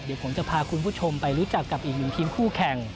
เดี๋ยวผมจะพาคุณผู้ชมไปรู้จักกับอีกหนึ่งทีมคู่แข่ง